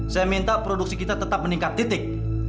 saya minta produksi kita tetap meningkat titik